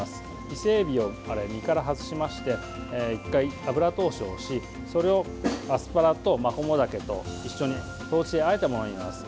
伊勢えびを身から外しまして１回油通しをし、それをアスパラとマコモダケと一緒に豆鼓であえたものになります。